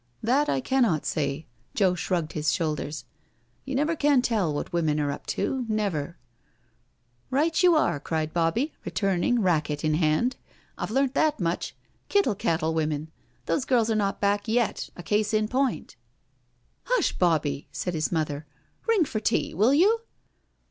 " That I Icannot say.*' Joe shrugged his shoulders. " You never can tell what women are up to — never "" Right you are/' cried Bobbie, returning racquet in hand. " I've learnt that much I Kittle cattle women I Those girls are not back yet— a case in point I "" Hush, Bobbie/' said his mother. " Ring for tea, will you?'